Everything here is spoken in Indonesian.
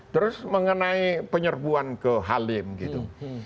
terus mengenai penyerbuan ke halim gitu